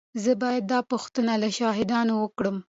زه به دا پوښتنه له شاهانو وکړم.